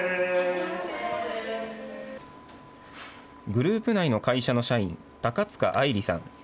グループ内の会社の社員、高塚愛梨さん。